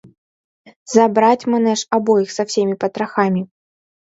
Забрать, манеш, обоих со всеми потрохами!..